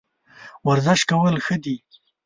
ورزش کول ښه دي